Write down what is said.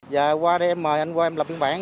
và qua đây em mời anh qua em lập biên bản